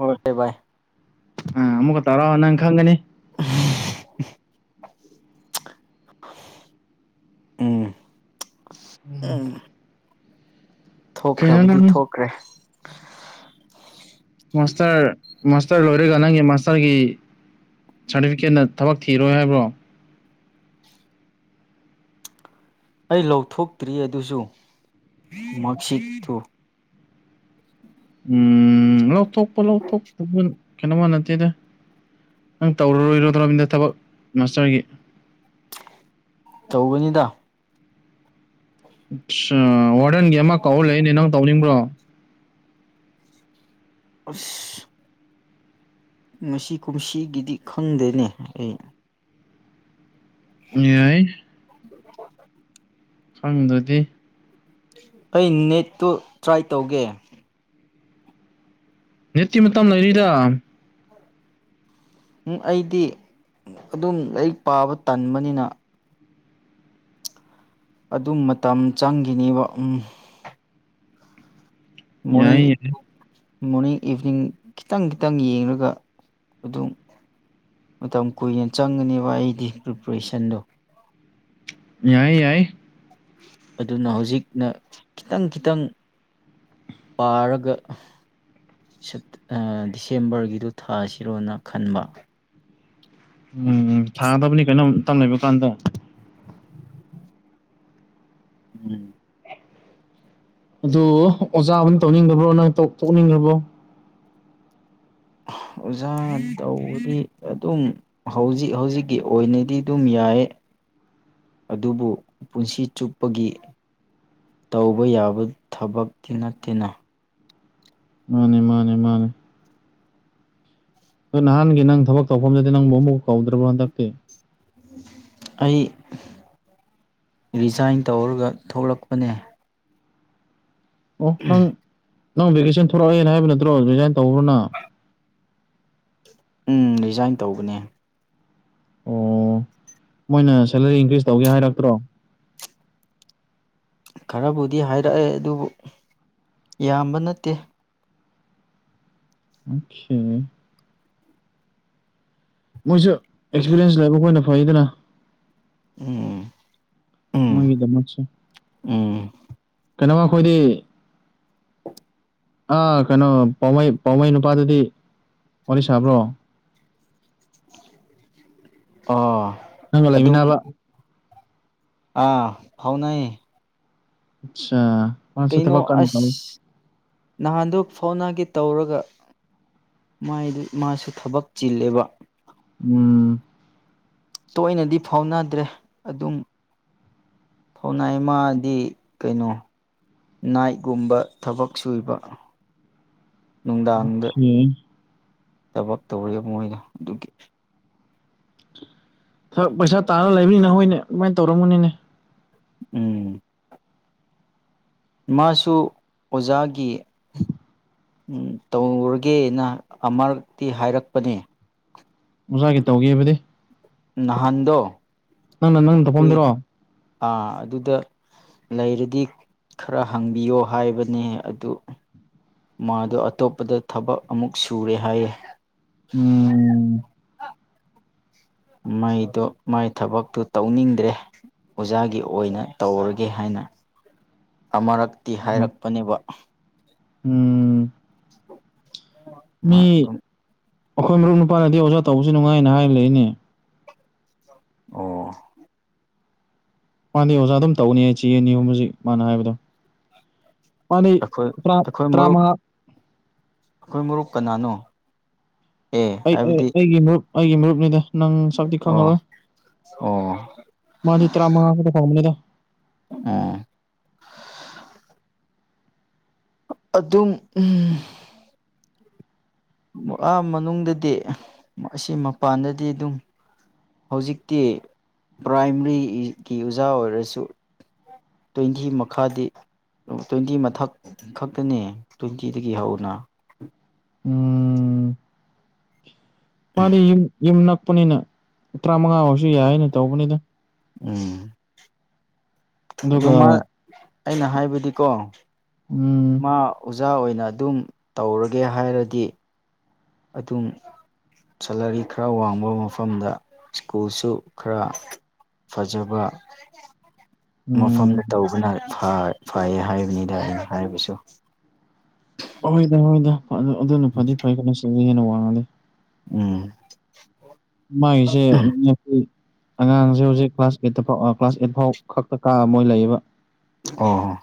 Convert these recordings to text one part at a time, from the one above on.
Okay bye ꯑꯝ ꯑꯃꯨꯛꯀ ꯇꯧꯔꯣ ꯅꯪ ꯈꯪꯒꯅꯤ ꯎꯝ ꯎꯝ [unintelligible] ꯀꯩꯅꯣ ꯊꯣꯛꯈ꯭ꯔꯕꯗꯤ ꯅꯪ ꯊꯣꯛꯈ꯭ꯔꯦ ꯃꯥꯁꯇꯔ ꯃꯥꯁꯇꯔ ꯂꯣꯏꯔꯒ ꯅꯪꯒꯤ ꯃꯥꯁꯇꯔꯒꯤ ꯁꯥꯔꯇꯤꯐꯤꯀꯦꯠꯅ ꯊꯕꯛ ꯊꯤꯔꯣꯏ ꯍꯥꯏꯕ꯭ꯔꯣ ꯑꯩ ꯂꯧꯊꯣꯛꯇ꯭ꯔꯤ ꯑꯗꯨꯁꯨ ꯃꯥꯛꯁꯤꯠꯇꯨ ꯎꯝ ꯂꯧꯊꯣꯛꯄ ꯂꯧꯊꯣꯛꯇꯥꯕ ꯀꯩꯅꯣꯃ ꯅꯠꯇꯦꯗ ꯅꯪ ꯇꯧꯔꯔꯣꯏꯔꯣꯏ ꯑꯗꯨꯔꯣꯝꯗ ꯊꯕꯛ ꯃꯥꯁꯇꯔꯒꯤ ꯇꯧꯒꯅꯤꯗ ꯑꯠꯆꯥ ꯋꯥꯔꯗꯟꯒꯤ ꯑꯃ ꯀꯧ ꯂꯩꯏꯅꯦ ꯅꯪ ꯇꯧꯅꯤꯡꯕ꯭ꯔꯣ ꯑꯁ ꯉꯁꯤ ꯀꯨꯝꯁꯤꯒꯤꯗꯤ ꯈꯪꯗꯦꯅꯦ ꯑꯩ ꯌꯥꯏ [unintelligible] ꯁꯪꯗꯨꯗꯤ ꯑꯩ ꯅꯦꯠꯇꯨ ꯇ꯭ꯔꯥꯏ ꯇꯧꯒꯦ ꯅꯦꯠꯇꯤ ꯃꯇꯝ ꯂꯩꯔꯤꯗ ꯑꯩꯗꯤ ꯑꯗꯨꯝ ꯂꯥꯏꯔꯤꯛ ꯄꯥꯕ ꯇꯟꯕꯅꯤꯅ ꯑꯗꯨ ꯃꯇꯝ ꯆꯪꯒꯤꯅꯤꯕ ꯎꯝ ꯃꯣꯔꯅꯤꯡ ꯌꯥꯏ ꯃꯣꯔꯅꯤꯡ ꯏꯚꯤꯅꯤꯡ ꯈꯤꯇꯪ ꯈꯤꯇꯪ ꯌꯦꯡꯂꯡꯒ ꯑꯗꯨꯝ ꯃꯇꯝ ꯀꯨꯏꯅ ꯆꯪꯒꯅꯦꯕ ꯑꯩꯗꯤ ꯄ꯭ꯔꯤꯄꯔꯦꯁꯟꯗꯣ ꯌꯥꯏ ꯌꯥꯏ ꯑꯗꯨꯅ ꯍꯧꯖꯤꯛꯅ ꯈꯤꯇꯪ ꯈꯤꯇꯪ ꯄꯥꯔꯒ ꯁꯦꯞ ꯑꯥ ꯗꯤꯁꯦꯝꯕꯔꯒꯤꯗꯨ ꯊꯥꯁꯤꯔꯣꯅ ꯈꯟꯕ ꯎꯝ ꯊꯥꯒꯗꯕꯅꯤ ꯀꯩꯅꯣ ꯃꯥꯇꯝ ꯂꯩꯕ ꯀꯥꯟꯗ ꯎꯝ ꯑꯗꯨ ꯑꯣꯖꯥꯕꯨ ꯇꯧꯅꯤꯡꯗ꯭ꯔꯕ꯭ꯔꯣ ꯅꯪ ꯇ ꯇꯣꯛꯅꯤꯡꯂꯕ꯭ꯔꯣ ꯑꯣꯖꯥ ꯇꯧꯔꯤꯗꯤ ꯑꯗꯨꯝ ꯍꯧꯖꯤꯛ ꯍꯧꯖꯤꯛꯀꯤ ꯑꯣꯏꯅꯗꯤ ꯑꯗꯨꯝ ꯌꯥꯏꯌꯦ ꯑꯗꯨꯕꯨ ꯄꯨꯟꯁꯤ ꯆꯨꯞꯄꯒꯤ ꯇꯧꯕ ꯌꯥꯕ ꯊꯕꯛꯇꯤ ꯅꯠꯇꯦꯅꯦ ꯃꯥꯅꯦ ꯃꯥꯅꯦ ꯃꯥꯅꯦ ꯑ ꯅꯍꯥꯟꯒꯤ ꯅꯪ ꯊꯕꯛ ꯇꯧꯐꯝꯗꯗꯤ ꯅꯪꯕꯨ ꯑꯃꯨꯛ ꯀꯧꯗ꯭ꯔꯕꯣ ꯍꯟꯗꯛꯇꯤ ꯑꯩ ꯔꯤꯖꯥꯏꯟ ꯇꯧꯔꯒ ꯊꯣꯛꯂꯛꯄꯅꯦ ꯑꯣ ꯅꯪ ꯅꯪ ꯚꯦꯀꯦꯁꯟ ꯊꯣꯛꯔꯛꯑꯦꯅ ꯍꯥꯏꯕ ꯅꯠꯇ꯭ꯔꯣ ꯔꯤꯖꯥꯏꯟ ꯇꯧꯕ꯭ꯔꯅ ꯎꯝ ꯔꯤꯖꯥꯏꯟ ꯇꯧꯕꯅꯦ ꯑꯣ ꯃꯣꯏꯅ ꯁꯦꯂꯔꯤ ꯏꯟꯀ꯭ꯔꯤꯖ ꯇꯧꯒꯦ ꯍꯥꯏꯔꯛꯇ꯭ꯔꯣ ꯈꯔꯕꯨꯗꯤ ꯍꯥꯏꯔꯛꯑꯦ ꯑꯗꯨꯕꯨ ꯌꯥꯝꯕ ꯅꯠꯇꯦ ꯑꯣꯈꯦ ꯃꯣꯏꯁꯨ ꯑꯦꯛꯁꯄꯤꯔꯦꯟꯁ ꯂꯩꯕ ꯑꯣꯏꯅ ꯐꯩꯗꯅ ꯎꯝ ꯎꯝ ꯃꯣꯏꯒꯤꯗꯃꯛꯁꯦ ꯎꯝ ꯀꯅꯣ ꯑꯩꯈꯣꯏꯗꯤ [unintelligible] ꯑꯥ ꯀꯩꯅꯣ ꯄꯥꯎꯃꯩ ꯄꯥꯎꯃꯩ ꯅꯨꯄꯥꯗꯗꯤ ꯋꯥꯔꯤ ꯁꯥꯕ꯭ꯔꯣ ꯑ ꯅꯪꯒ ꯂꯩꯃꯤꯟꯅꯕ ꯑꯥ ꯐꯥꯎꯅꯩ ꯑꯆꯄꯥ ꯃꯥꯁꯨ ꯊꯕꯛ ꯀꯟ [unintelligible] ꯅꯍꯥꯟꯗꯨ ꯐꯥꯎꯅꯒꯦ ꯇꯧꯔꯒ ꯥꯃꯥꯏꯗꯨ ꯃꯥꯁꯨ ꯊꯕꯛ ꯆꯤꯜꯂꯦꯕ ꯎꯝ ꯇꯣꯏꯅꯗꯤ ꯐꯥꯎꯅꯗ꯭ꯔꯦ ꯑꯗꯨꯝ ꯊꯥꯎꯅꯩ ꯃꯥꯗꯤ ꯀꯩꯅꯣ ꯅꯥꯏꯒꯨꯝꯕ ꯊꯕꯛ ꯁꯨꯏꯕ ꯅꯨꯡꯗꯥꯡꯗ ꯊꯕꯛ ꯇꯧꯋꯦ ꯃꯣꯏꯅ ꯗꯨꯒꯤ ꯊꯛ ꯄꯩꯁꯥ ꯇꯥꯜꯂ ꯂꯩꯕꯅꯤꯅ ꯍꯣꯏꯅꯦ ꯑꯗꯨꯃꯥꯏꯟ ꯇꯧꯔꯝꯒꯅꯤꯅꯦ ꯎꯝ ꯃꯥꯁꯨ ꯑꯣꯖꯥꯒꯤ ꯎꯝ ꯇꯧꯔꯒꯦꯅ ꯑꯃꯔꯛꯇꯤ ꯍꯥꯏꯔꯛꯄꯅꯦ ꯑꯣꯖꯥꯒꯤ ꯇꯧꯒꯦꯕꯅꯦ ꯅꯍꯥꯟꯗꯣ ꯅꯪꯅ ꯅꯪ ꯗꯣꯛꯕꯝꯗꯔꯣ ꯑ ꯑꯗꯨꯗ ꯂꯩꯔꯗꯤ ꯈꯔ ꯍꯪꯕꯤꯌꯣ ꯍꯥꯏꯕꯅꯦ ꯑꯗꯨ ꯃꯥꯗꯣ ꯑꯇꯣꯞꯄꯗ ꯊꯕꯛ ꯑꯃꯨꯛ ꯁꯨꯔꯦ ꯍꯥꯏꯌꯦ ꯎꯝ ꯃꯩꯗꯣ ꯃꯥꯏ ꯊꯕꯛꯇꯣ ꯇꯧꯅꯤꯡꯗ꯭ꯔꯦ ꯑꯣꯖꯥꯒꯤ ꯑꯣꯏꯅ ꯇꯧꯔꯒꯦ ꯍꯥꯏꯅ ꯑꯃꯔꯛꯇꯤ ꯍꯥꯏꯔꯛꯄꯅꯦꯕ ꯎꯝ [unintelligible] ꯃꯤ ꯃꯥ ꯑꯗꯨꯝ ꯑꯩꯈꯣꯏ ꯃꯔꯨꯞ ꯅꯨꯄꯥꯅꯗꯤ ꯑꯣꯖꯥ ꯇꯧꯕꯁꯨ ꯅꯨꯡꯉꯥꯏꯅ ꯍꯥꯏꯔ ꯂꯩꯌꯦꯅꯦ ꯑꯣ ꯃꯥꯥꯟꯅꯦ ꯑꯣꯖꯥ ꯑꯗꯨꯝ ꯇꯧꯒꯅꯤ ꯑꯩ ꯆꯤ ꯑꯅꯤꯑꯍꯨꯝꯃꯁꯤ ꯃꯥꯅ ꯍꯥꯏꯕꯗꯣ ꯃꯥꯗꯤ ꯑꯩꯈꯣꯏ ꯇ꯭ꯔꯥ ꯇ꯭ꯔꯥꯃꯉꯥ ꯑꯈꯣꯏ ꯃꯔꯨꯞ ꯀꯅꯥꯅꯣ ꯑꯦ ꯑꯩ ꯑꯩ ꯍꯥꯏꯕꯗꯤ ꯑꯩꯒꯤ ꯃꯔꯨꯞ ꯑꯩꯒꯤ ꯃꯔꯨꯞꯅꯤꯗ ꯅꯪ ꯁꯛꯇꯤ ꯑꯣ ꯈꯪꯉꯔꯣꯏ ꯑꯣ ꯃꯥꯗꯤ ꯇꯔꯥꯃꯉꯥ ꯈꯇ ꯐꯪꯡꯕꯅꯤꯗ ꯎꯝ ꯑꯗꯨꯝ ꯎꯝ ꯑꯥ ꯃꯅꯨꯡꯗꯗꯤ ꯑꯁꯤ ꯃꯄꯥꯟꯗꯗꯤ ꯑꯗꯨꯝ ꯍꯧꯖꯤꯛꯇꯤ ꯄ꯭ꯔꯥꯏꯃꯔꯤꯒꯤ ꯑꯣꯖꯥ ꯑꯣꯏꯔꯁꯨ ꯇ꯭ꯋꯦꯟꯇꯤ ꯃꯈꯥꯗꯤ ꯇ꯭ꯋꯦꯟꯇꯤ ꯃꯊꯛ ꯈꯛꯇꯅꯦ ꯇ꯭ꯋꯦꯟꯇꯤꯗꯒꯤ ꯍꯧꯅ ꯎꯝ ꯃꯥꯗꯤ ꯌꯨꯝ ꯌꯨꯝ ꯅꯛꯄꯅꯤꯅ ꯇꯔꯥꯃꯉꯥ ꯑꯣꯏꯔꯖꯨ ꯌꯥꯏꯅ ꯇꯧꯕꯅꯤꯗ ꯎꯝ ꯑꯗꯨ ꯑꯗꯨꯒ ꯃꯥ ꯑꯩꯅ ꯍꯥꯏꯕꯗꯤꯀꯣ ꯎꯝ ꯃꯥ ꯑꯣꯖꯥ ꯑꯣꯏꯅ ꯑꯗꯨꯝ ꯇꯧꯔꯒꯦ ꯍꯥꯏꯔꯗꯤ ꯑꯗꯨꯝ ꯁꯦꯂꯔꯤ ꯈꯔ ꯋꯥꯡꯕ ꯃꯐꯝꯗ ꯁ꯭ꯀꯨꯜꯁꯨ ꯈꯔ ꯐꯖꯕ [inaudible] ꯃꯐꯝꯗ ꯇꯧꯕꯅ ꯐ ꯐꯩꯌꯦ ꯍꯥꯏꯕꯅꯤꯗ ꯑꯩꯅ ꯍꯥꯏꯕꯁꯨ ꯍꯣꯏꯗ ꯍꯣꯏꯗ ꯑꯗꯨꯅ ꯐꯗꯤ ꯐꯩ ꯀꯩꯅꯣ ꯁꯤ ꯍꯦꯟꯅ ꯋꯥꯡꯉꯗꯤ ꯎꯝ ꯃꯥꯒꯤꯁꯦ [unintelligible] ꯑꯉꯥꯡꯁꯦ ꯍꯧꯖꯤꯛ ꯀ꯭ꯂꯥꯁ ꯑꯩꯠꯇ ꯐꯥꯎ ꯀ꯭ꯂꯥꯁ ꯑꯩꯠ ꯐꯥꯎ ꯈꯛꯇ ꯀꯥꯑ ꯃꯣꯏ ꯂꯩꯕ ꯑꯣ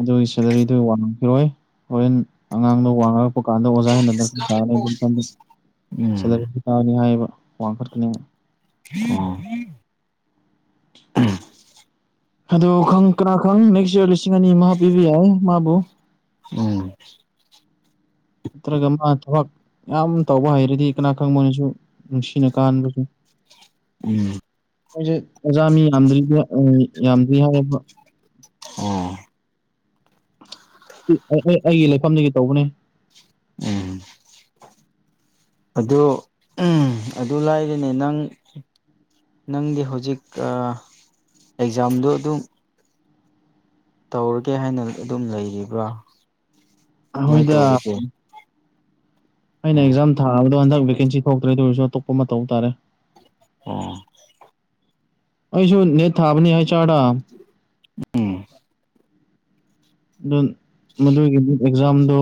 ꯑꯗꯨꯒꯤ ꯁꯦꯂꯔꯤꯗꯨ ꯋꯥꯡꯉꯈꯤꯔꯣꯏ ꯍꯣꯔꯦꯟ ꯑꯉꯥꯡꯗꯣ ꯋꯥꯡꯉ ꯊꯣꯛꯄ ꯀꯥꯟꯗ ꯑꯣꯖꯥ ꯍꯦꯟꯊꯅꯤ ꯎꯝ [inaudible] ꯍꯥꯏꯕ ꯋꯥꯡꯈꯠꯀꯅꯤ ꯑꯣ ꯑꯗꯨ ꯈꯪ ꯀꯅꯥ ꯈꯪ ꯅꯦꯛꯁ ꯏꯌꯥꯔ ꯂꯤꯁꯤꯡ ꯑꯅꯤ ꯑꯃ ꯄꯤꯕ ꯌꯥꯏ ꯃꯥꯕꯨ ꯎꯝ ꯅꯠꯇ꯭ꯔꯒ ꯃꯥꯏ ꯊꯕꯛ ꯌꯥꯝ ꯇꯧꯕ ꯍꯩꯔꯗꯤ ꯀꯅꯥ ꯈꯪꯕꯅꯁꯨ ꯅꯨꯡꯁꯤꯅ ꯀꯥꯍꯟꯕꯁꯨ ꯎꯝ ꯑꯩꯁꯦ ꯑꯣꯖꯥ ꯃꯤ ꯌꯥꯝꯗ꯭ꯔꯤꯗ ꯌꯥꯝꯗ꯭ꯔꯤ ꯍꯥꯏꯌꯦꯕ ꯎꯝ ꯑꯩ ꯑꯩ ꯑꯩꯒꯤ ꯂꯩꯐꯝꯗꯒꯤ ꯇꯧꯕꯅꯦ ꯎꯝ ꯑꯗꯨ ꯎꯝ ꯑꯗꯨ ꯂꯥꯏꯔꯤꯅꯦ ꯅꯪ ꯅꯪꯒꯤ ꯍꯧꯖꯤꯛ ꯑꯥ ꯑꯦꯛꯖꯥꯝꯗꯣ ꯑꯗꯨꯝ ꯇꯧꯔꯒꯦ ꯍꯥꯏꯅ ꯑꯗꯨꯝ ꯂꯩꯔꯤꯕ꯭ꯔꯥ ꯀꯃꯥꯏꯅ ꯑꯍꯣꯏꯗꯥ ꯇꯧꯔꯤꯒꯦ ꯑꯩꯅ ꯑꯣ ꯑꯦꯛꯖꯥꯝ ꯊꯥꯕꯗꯣ ꯍꯟꯗꯛ ꯚꯦꯀꯦꯟꯁꯤ ꯊꯣꯛꯇ꯭ꯔꯦ ꯑꯗꯣꯏꯁꯨ ꯑꯇꯣꯞꯄ ꯑꯃ ꯇꯧ ꯇꯥꯔꯦ ꯑꯣ ꯑꯩꯁꯨ ꯅꯦꯠ ꯊꯥꯕꯅꯤ ꯍꯩꯆ ꯑꯥꯔꯗꯥ ꯎꯝ ꯑꯗꯨ ꯃꯗꯨꯒꯤ ꯅꯤꯠ ꯑꯦꯛꯖꯥꯝꯗꯣ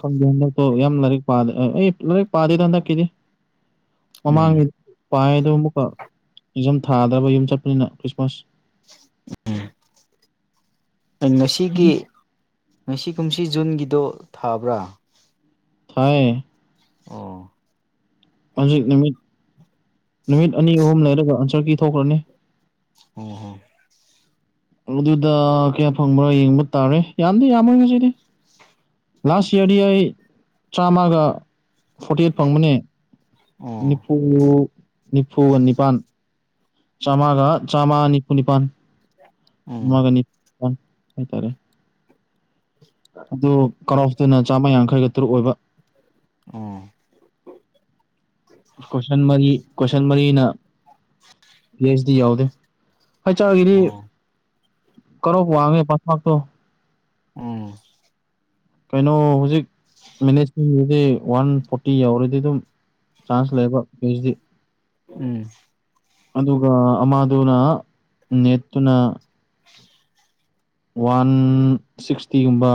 ꯈꯪꯗꯦ ꯍꯟꯗꯛꯇꯣ ꯌꯥꯝ ꯂꯥꯏꯔꯤꯛ ꯄꯥꯗ꯭ꯔꯦ ꯑꯩ ꯂꯥꯏꯔꯤꯛ ꯄꯥꯗꯦꯗ ꯍꯟꯗꯛꯀꯤꯗꯤ ꯃꯃꯥꯡ ꯎꯝ ꯄꯥꯏ ꯑꯗꯨ ꯑꯃꯨꯛꯀ ꯏꯖꯝ ꯊꯥꯗ꯭ꯔꯕ ꯌꯨꯝ ꯆꯠꯄꯅꯤꯅ ꯈ꯭ꯔꯤꯁꯃꯥꯁ ꯎꯝ ꯉꯁꯤꯒꯤ ꯉꯁꯤ ꯀꯨꯝꯁꯤ ꯖꯨꯟꯒꯤꯗꯣ ꯊꯥꯕ꯭ꯔꯥ ꯊꯥꯌꯦ ꯑꯣ ꯍꯧꯖꯤꯛ ꯅꯨꯃꯤꯠ ꯅꯨꯃꯤꯠ ꯑꯅꯤ ꯑꯍꯨꯝ ꯂꯩꯔꯒ ꯑꯟꯁꯔ ꯀꯤ ꯊꯣꯛꯈ꯭ꯔꯅꯤ ꯑꯣꯝ ꯍꯝ ꯑꯗꯨꯗ ꯀꯌꯥ ꯐꯪꯕ꯭ꯔꯥ ꯌꯦꯡꯕ ꯇꯥꯔꯦ ꯌꯥꯝꯗꯤ ꯌꯥꯝꯃꯣꯏ ꯉꯁꯤꯗꯤ ꯂꯥꯁ ꯌꯥꯔꯗꯤ ꯑꯩ ꯆꯥꯝꯃꯒ ꯐꯣꯔꯇꯤ ꯑꯩꯠ ꯐꯪꯕꯅꯦ ꯅꯤꯐꯨ ꯅꯤꯐꯨꯒ ꯅꯤꯄꯥꯟ ꯆꯥꯝꯃꯒ ꯆꯥꯝꯃ ꯅꯤꯐꯨ ꯅꯤꯄꯥꯥꯟ ꯆꯥꯝꯃꯉꯥꯒ ꯅꯤꯄꯥꯟ ꯍꯥꯏꯇꯥꯔꯦ ꯑꯗꯨ ꯀꯠꯑꯣꯐ ꯇꯨꯅ ꯆꯥꯝꯃ ꯌꯥꯡꯈꯩꯒ ꯇꯔꯨꯛ ꯑꯣꯏꯕ ꯎꯝ [inaudible] ꯀꯣꯏꯁꯟ ꯃꯔꯤ ꯀꯣꯏꯁꯟ ꯃꯔꯤꯅ [unintelligible] ꯗꯤ ꯌꯥꯎꯗꯦ ꯍꯩꯆꯥꯔꯒꯤꯗꯤ ꯀꯠꯑꯣꯐ ꯋꯥꯡꯉꯦ ꯄꯥꯁꯃꯥꯛꯇꯣ ꯎꯝ ꯀꯩꯅꯣ ꯍꯧꯖꯤꯛ ꯃꯦꯅꯦꯖꯃꯦꯟꯒꯤꯗꯤ ꯋꯥꯟ ꯐꯣꯔꯇꯤ ꯌꯧꯔꯗꯤ ꯑꯗꯨꯝ ꯆꯥꯟꯁ ꯂꯩꯌꯦꯕ ꯐꯤ ꯍꯁꯗꯤ ꯎꯝ ꯑꯗꯨꯒ ꯑꯃꯥꯗꯨꯅ ꯅꯦꯠꯇꯨꯅ ꯋꯥꯟ ꯁꯤꯛꯁꯇꯤꯒꯨꯝꯕ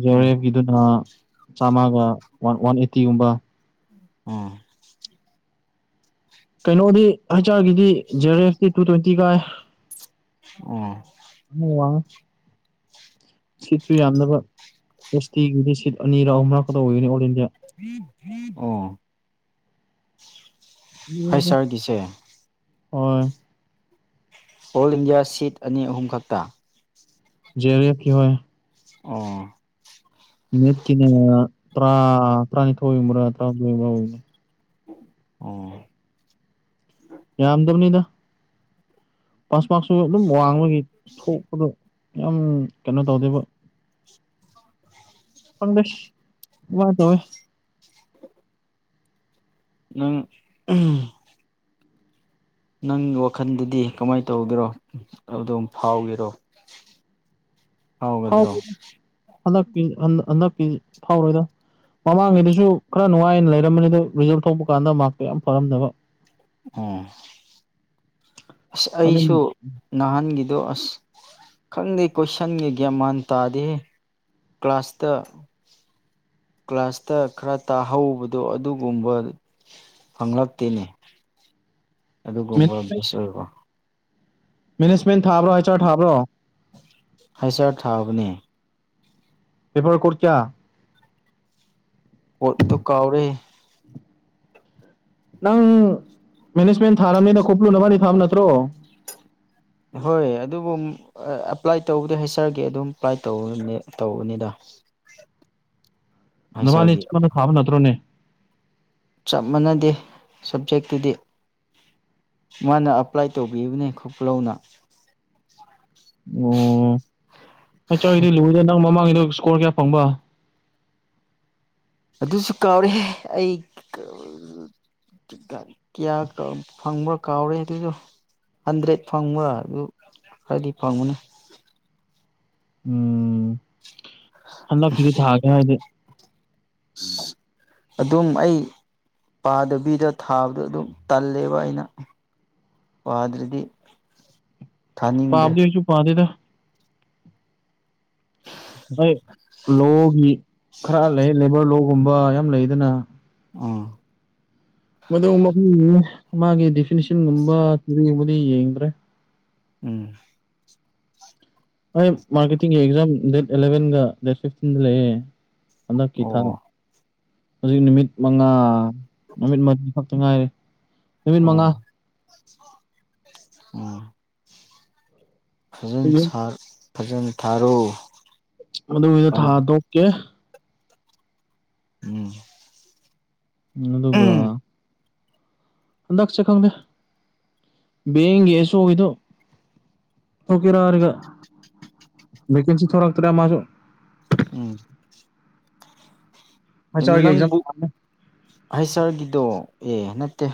ꯖꯤꯑꯔ ꯑꯦꯐ ꯀꯤꯗꯨꯅ ꯆꯥꯝꯃꯒ ꯋꯥꯟ ꯋꯥꯟ ꯑꯦꯠꯇꯤꯒꯨꯝꯕ ꯑ ꯀꯩꯅꯣꯗꯤ ꯑꯩꯆ ꯑꯥꯔꯒꯤꯗꯤ ꯖꯦꯑꯥꯔ ꯑꯦꯐꯇꯤ ꯇꯨ ꯇ꯭ꯋꯦꯟꯇꯤ ꯀꯥꯏ ꯑꯣ [unintelligible] ꯁꯤꯠꯁꯨ ꯌꯥꯝꯗꯕ ꯑꯦꯁ ꯇꯤꯒꯤꯗꯤ ꯁꯤꯠ ꯑꯅꯤꯔ ꯑꯍꯨꯝꯔꯛꯀꯗ ꯑꯣꯏꯒꯅꯤ ꯑꯣꯜ ꯏꯟꯗꯤꯌꯥ ꯑꯣ [unintelligible] ꯁꯥꯔꯒꯤꯁꯦ ꯍꯣꯏ ꯑꯣꯜ ꯏꯟꯗꯤꯌꯥ ꯁꯤꯠ ꯑꯅꯤ ꯑꯍꯨꯝ ꯈꯛꯇ ꯖꯦꯑꯥꯔꯑꯦꯞꯀꯤ ꯍꯣꯏ꯫ ꯑꯣ ꯃꯤꯠꯀꯤꯅꯤꯅ ꯇꯔꯥ ꯇꯔꯥꯅꯤꯊꯣꯏ ꯒꯨꯝꯕ꯭ꯔꯥ ꯇꯔꯥꯃꯊꯣꯏ ꯑꯣꯏꯕꯅꯦ ꯑ ꯌꯥꯝꯝꯗꯕꯅꯤꯗ ꯄꯥꯁ ꯃꯥꯔꯛꯁꯨ ꯑꯗꯨꯝ ꯋꯥꯡꯕꯒꯤ ꯊꯣꯛꯄꯗꯣ ꯌꯥꯝ ꯀꯩꯅꯣ ꯇꯧꯗꯦꯕ ꯄꯪꯒꯁ ꯋꯥ ꯇꯧꯋꯦ [inaudible] ꯅꯪ ꯅꯪꯒꯤ ꯋꯥꯈꯜꯗꯗꯤ ꯀꯃꯥꯏꯅ ꯇꯧꯗꯣꯏꯔꯣ ꯑꯗꯨꯝ ꯐꯥꯎꯒꯦꯔꯣ ꯐꯥꯎ ꯐꯥꯎꯒꯗ꯭ꯔꯣ [unintelligible] ꯍꯟꯗꯛꯀꯤ ꯍꯟꯗꯛꯀꯤ ꯐꯥꯎꯔꯣꯏꯗ ꯃꯃꯥꯡꯉꯩꯗꯨꯁꯨ ꯈꯔ ꯅꯨꯡꯉꯥꯏꯅ ꯂꯩꯔꯝꯝꯕꯅꯤꯗꯣ ꯔꯤꯖꯜ ꯊꯣꯛꯄ ꯀꯥꯟꯗ ꯃꯥꯔꯛꯇꯣ ꯌꯥꯝ ꯐꯔꯝꯗꯕ ꯑꯣ ꯑꯁ ꯑꯗꯨꯝ ꯑꯩꯁꯨ ꯅꯍꯥꯟꯒꯤꯗꯣ ꯑꯁ ꯈꯪꯗꯦ ꯀꯣꯏꯁꯟꯒꯤ ꯒ꯭ꯌꯥꯟ ꯃꯥꯟ ꯇꯥꯗꯦꯍꯦ ꯀ꯭ꯂꯥꯁꯇ ꯀ꯭ꯂꯥꯁꯇ ꯈꯔ ꯇꯥꯍꯧꯕꯗꯣ ꯑꯗꯨꯒꯨꯝꯕ ꯐꯪꯂꯛꯇꯦꯅꯦ ꯑꯗꯨꯒꯨꯝꯕ [unintelligible] ꯑꯣꯏꯌꯨꯀꯣ ꯃꯦꯅꯦꯖꯃꯦꯟ ꯊꯥ꯭ꯕꯔꯣ ꯍꯩꯆ ꯑꯥꯔ ꯊꯥꯕ꯭ꯔꯣ ꯍꯩꯆꯁ ꯑꯥꯔ ꯊꯥꯕꯅꯦ ꯄꯦꯕꯔ ꯀꯣꯗ ꯀꯌꯥ ꯀꯣꯗꯗꯣ ꯀꯥꯎꯔꯦ ꯅꯪ ꯃꯦꯅꯦꯖꯃꯦꯟ ꯊꯥꯔꯕꯅꯤꯅ ꯈꯨꯞꯂꯨ ꯅꯕꯅꯤ ꯊꯥꯕ ꯅꯠꯇ꯭ꯔꯣ ꯍꯣꯏ ꯑꯗꯨꯕꯨ ꯑꯦꯄ꯭ꯂꯥꯏ ꯇꯧꯕꯗꯤ ꯍꯩꯆꯔꯒꯤ ꯑꯗꯨꯝ ꯑꯦꯄ꯭ꯂꯥꯏ ꯇꯧꯕ ꯇꯧꯕꯅꯤꯗ ꯅꯕꯥꯅꯤ ꯍꯩꯁꯥꯔꯒꯤ ꯆꯞ ꯃꯥꯅ ꯊꯥꯕ ꯅꯠꯇ꯭ꯔꯣꯅꯦ ꯆꯞ ꯃꯥꯟꯅꯗꯦ ꯁꯕꯖꯦꯛꯇꯨꯗꯤ ꯃꯥꯅ ꯑꯄ꯭ꯂꯥꯏ ꯇꯧꯕꯤꯕꯅꯦ ꯈꯨ ꯈ ꯂꯧꯅ ꯑꯣ ꯅꯆꯥꯒꯤꯗꯤ ꯂꯨꯎꯗ ꯅꯪ ꯃꯃꯥꯡꯉꯒꯤꯗ ꯏꯁꯀꯣꯔ ꯀꯌꯥ ꯐꯪꯕ ꯑꯗꯨꯁꯨ ꯀꯥꯎꯔꯦꯍꯦ ꯑꯩ [unintelligible] ꯀꯌꯥ [unintelligible] ꯐꯪꯕ ꯀꯥꯎꯔꯦ ꯑꯗꯨꯁꯨ ꯍꯟꯗ꯭ꯔꯦꯠ ꯐꯪꯕꯔꯥ ꯑꯗꯨ ꯈꯔꯗꯤ ꯐꯪꯕꯅꯤ ꯎꯝ ꯍꯟꯗꯛꯀꯤꯗꯤ ꯊꯥꯒꯦ ꯍꯥꯏꯗꯦ ꯑꯁꯁ ꯑꯗꯨꯝ ꯑꯩ ꯄꯥꯗꯕꯤꯗ ꯊꯥꯕꯗꯣ ꯑꯗꯨꯝ ꯇꯜꯂꯦꯕ ꯑꯩꯅ ꯄꯥꯗ꯭ꯔꯗꯤ ꯊꯥꯅꯤꯡꯗ꯭ꯔꯦ ꯄꯥꯕꯗꯤ ꯑꯩꯁꯨ ꯄꯥꯗꯦꯗ ꯍꯣꯏ ꯂꯣꯒꯤ ꯈꯔ ꯂꯩ ꯂꯩꯕꯔ ꯂꯣꯒꯨꯝꯕ ꯌꯥꯝ ꯂꯩꯗꯅ ꯑꯣꯥ ꯃꯗꯨ ꯃꯐꯝ ꯃꯥꯒꯤ ꯗꯤꯐꯤꯅꯤꯁꯟꯒꯨꯝꯕ ꯇꯔꯤꯒꯨꯝꯕꯗꯤ ꯌꯦꯡꯗ꯭ꯔꯦ ꯎꯝ ꯕꯥꯢ ꯃꯥꯔꯀꯦꯇꯤꯡꯒꯤ ꯑꯦꯛꯖꯥꯝ ꯗꯦꯠ ꯑꯦꯂꯚꯦꯟꯒ ꯗꯦꯠ ꯐꯤꯐꯇꯤꯟꯗ ꯂꯩꯌꯦ ꯍꯟꯗꯛꯀꯤ ꯊꯥ ꯑꯣ ꯍꯧꯖꯤꯛ ꯅꯨꯃꯤꯠ ꯃꯉꯥ ꯅꯨꯃꯤꯠ ꯃꯔꯤ ꯈꯛꯇ ꯉꯥꯏꯔꯦ ꯅꯨꯃꯤꯠ ꯃꯉꯥ ꯑꯣ ꯌꯨꯝ ꯁꯥꯔ ꯐꯖꯅ ꯊꯥꯔꯛ ꯑꯣ ꯑꯗꯨꯒꯤꯗ ꯊꯥꯗꯣꯛꯀꯦ ꯎꯝ ꯎꯝ ꯑꯗꯨꯒ ꯍꯟꯗꯛꯁꯦ ꯈꯪꯗꯦ ꯕꯦꯡꯒꯤ ꯑꯦꯁꯣ ꯒꯤꯗꯣ ꯊꯣꯛꯀꯤꯔ ꯍꯥꯏꯔꯒ ꯕꯦꯀꯦꯟꯁꯤ ꯊꯣꯔꯛ ꯇꯔꯦ ꯃꯥꯁꯨ ꯎꯝ ꯍꯩꯆ ꯀꯩꯅꯣ ꯑꯥꯔꯒꯤ ꯑꯦꯛꯖꯥꯝ ꯅꯪꯕꯨ ꯊꯥꯅꯤ ꯍꯁ ꯑꯥꯔ ꯒꯤꯗꯣ ꯑꯦ ꯅꯠꯇꯦ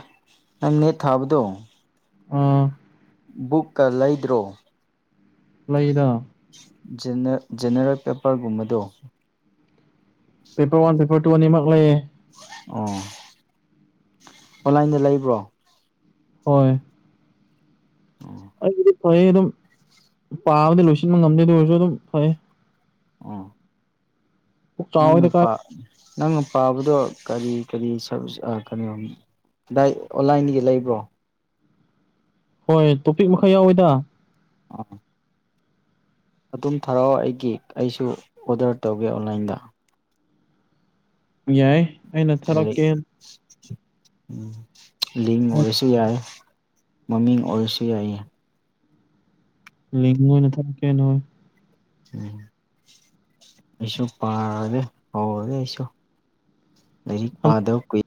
ꯅꯪ ꯅꯦꯠ ꯊꯥꯕꯗꯣ ꯎꯝ ꯕꯨꯛꯀ ꯂꯩꯗ꯭ꯔꯣ ꯂꯩꯗ ꯖꯦꯅꯔ ꯖꯦꯅꯔꯦꯜ ꯄꯦꯄꯔꯒꯨꯝꯕꯗꯣ ꯄꯦꯄꯔ ꯋꯥꯟ ꯄꯦꯄꯔ ꯇꯨ ꯑꯅꯤꯃꯛ ꯂꯩꯌꯦ ꯑꯣ ꯑꯣꯟꯂꯥꯏꯟꯗ ꯂꯩꯕ꯭ꯔꯣ ꯍꯣꯏ ꯑꯣ ꯑꯩꯕꯨꯗꯤ ꯐꯩ ꯑꯗꯨꯝ ꯄꯥꯕꯗꯤ ꯂꯣꯏꯁꯤꯟꯕ ꯉꯝꯗꯦ ꯑꯗꯨ ꯑꯣꯏꯔꯁꯨ ꯑꯗꯨꯝ ꯐꯩ ꯎꯝ ꯄꯨꯛ ꯅꯪꯅ ꯆꯥꯎꯋꯦꯗ ꯀꯥꯏ ꯄꯥ ꯅꯪꯅ ꯄꯥꯕꯗꯣ ꯀꯔꯤ ꯀꯔꯤ ꯁꯔꯚꯤꯁ ꯑꯥ [unintelligible] ꯗꯥꯏ ꯑꯣꯟꯂꯥꯏꯟꯗꯒꯤ ꯂꯩꯕ꯭ꯔꯣ ꯍꯣꯏ ꯇꯣꯄꯤꯛ ꯃꯈꯥ ꯌꯥꯎꯋꯤꯗ ꯑꯥ ꯑꯗꯨꯝ ꯊꯔꯛꯑꯣ ꯑꯩꯒꯤ ꯑꯩꯁꯨ ꯑꯣꯗꯔ ꯇꯧꯒꯦ ꯑꯣꯟꯂꯥꯏꯟꯗ ꯌꯥꯏ ꯑꯩꯅ ꯂꯥꯏꯔꯤꯛ ꯊꯥꯔꯛꯀꯦ ꯂꯤꯡ ꯑꯣꯏꯔꯁꯨ ꯌꯥꯏ ꯃꯃꯤꯡ ꯑꯣꯏꯔꯁꯨ ꯌꯥꯏ ꯂꯤꯡ ꯑꯣꯏꯅ ꯊꯥꯔꯛꯀꯦ ꯍꯣꯏ ꯎꯝ ꯑꯩꯁꯨ ꯄꯥꯔꯒꯦ ꯍꯧꯔꯒꯦ ꯑꯩꯁꯨ ꯂꯥꯏꯔꯤꯛ ꯄꯥꯗꯕ ꯀꯨꯏ